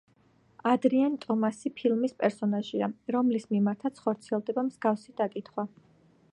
ადრიან ტომასი ფილმის პერსონაჟია, რომელის მიმართაც ხორციელდება მსგავსი დაკითხვა.